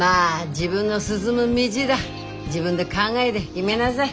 自分で考えで決めなさい。